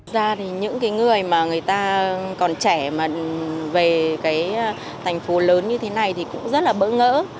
thực ra thì những cái người mà người ta còn trẻ mà về cái thành phố lớn như thế này thì cũng rất là bỡ ngỡ